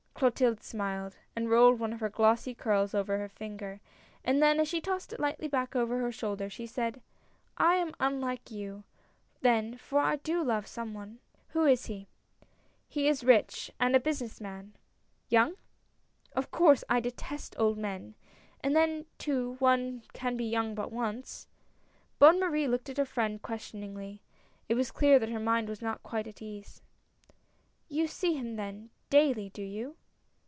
Clotilde smiled, and rolled one of her glossy curls over her finger, and then as she tossed it lightly back over her shoulder, she said: " I am unlike you, then, for I do love some one." "Who is he?" " He is rich, and a business man." "Young?" "Of course — I detest old men; and then too, one can be young but once." Bonne Marie looked at her friend, questioningly. It was clear that her mind was not quite at ease. "You see him then, daily, do you?"